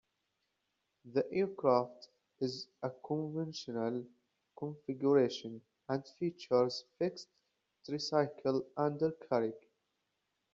The aircraft is of conventional configuration and features fixed tricycle undercarriage.